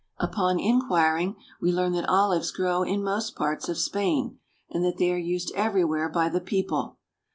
Upon inquiring, we learn that olives grow in most parts of Spain, and that they are used everywhere by the people.